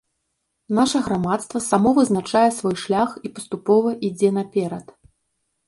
Наша грамадства само вызначае свой шлях і паступова ідзе наперад.